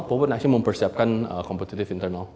apapun actually mempersiapkan kompetitif internal